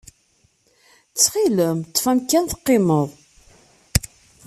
Ttxil-m, ḍḍef amkan teqqimed!